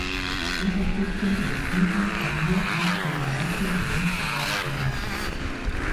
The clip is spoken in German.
Unterschriften überprüfen kann nur Hans Peter Martin, sonst überhaupt niemand.